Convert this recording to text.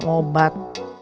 udah minum obat